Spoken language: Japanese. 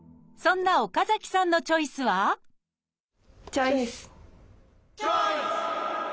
そんな岡崎さんのチョイスはチョイス！